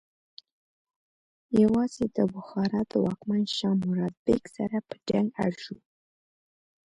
یوازې د بخارا د واکمن شاه مراد بیک سره په جنګ اړ شو.